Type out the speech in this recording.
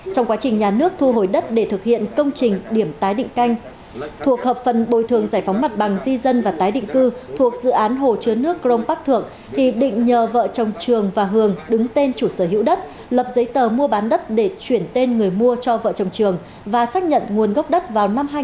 trong quá trình nhà nước thu hồi đất để thực hiện công trình điểm tái định canh thuộc hợp phần bồi thường giải phóng mặt bằng di dân và tái định cư thuộc dự án hồ chứa nước crong park thượng thì định nhờ vợ chồng trường và hường đứng tên chủ sở hữu đất lập giấy tờ mua bán đất để chuyển tên người mua cho vợ chồng trường và xác nhận nguồn gốc đất vào năm hai nghìn hai mươi